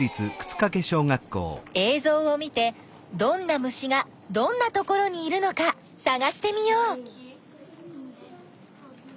えいぞうを見てどんな虫がどんなところにいるのかさがしてみよう。